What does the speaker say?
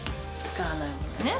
使わないものね。